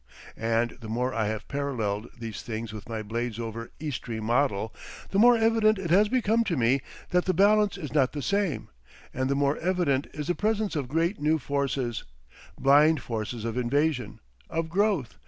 And the more I have paralleled these things with my Bladesover Eastry model, the more evident it has become to me that the balance is not the same, and the more evident is the presence of great new forces, blind forces of invasion, of growth.